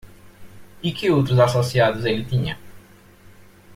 E que outros associados ele tinha?